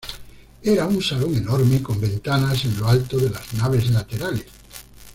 Era un salón enorme con ventanas en lo alto de las naves laterales.